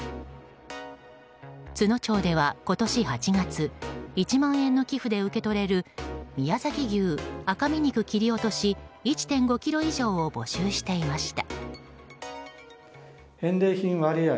都農町では今年８月１万円の寄付で受け取れる宮崎牛赤身肉切り落とし１．５ｋｇ以上を募集していました。